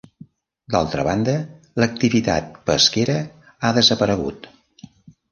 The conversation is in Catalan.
D'altra banda, l'activitat pesquera ha desaparegut.